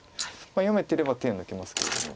読めてれば手抜けますけれども。